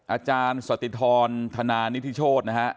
อาจารย์สติธรธนานิทิโชธนะฮะ